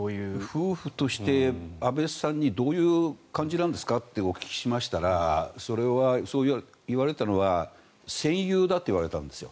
夫婦として、安倍さんにどういう感じなんですか？ってお聞きしましたら言われていたのは戦友だといわれたんです。